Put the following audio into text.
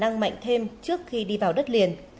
năng mạnh thêm trước khi đi vào đất liền